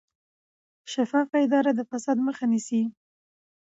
شفافه اداره د فساد مخه نیسي